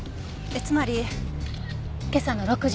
つまり今朝の６時以降。